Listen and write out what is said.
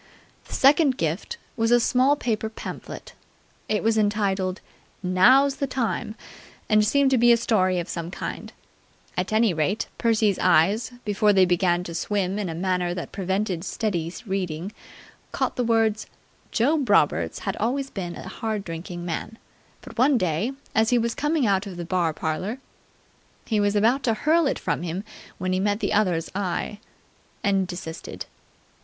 The second gift was a small paper pamphlet. It was entitled "Now's the Time!" and seemed to be a story of some kind. At any rate, Percy's eyes, before they began to swim in a manner that prevented steady reading, caught the words "Job Roberts had always been a hard drinking man, but one day, as he was coming out of the bar parlour ..." He was about to hurl it from him, when he met the other's eye and desisted.